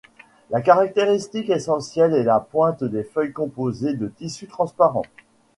La caractéristique essentielle est la pointe des feuilles composée de tissus transparents.